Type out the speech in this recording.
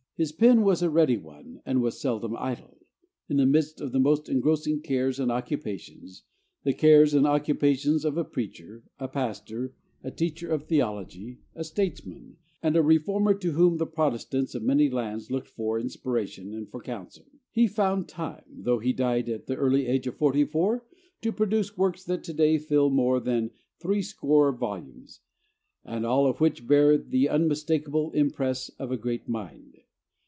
His pen was a ready one and was seldom idle. In the midst of the most engrossing cares and occupations the cares and occupations of a preacher, a pastor, a teacher of theology, a statesman, and a reformer to whom the Protestants of many lands looked for inspiration and for counsel he found time, though he died at the early age of fifty four, to produce works that to day fill more than threescore volumes, and all of which bear the unmistakable impress of a great mind.